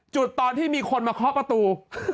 จุดตอนที่มีคนมาเคาะประตู